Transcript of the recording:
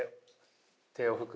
手を拭く。